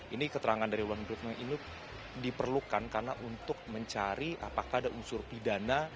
ini keterangan dari one brutmen ini diperlukan karena untuk mencari apakah ada unsur pidana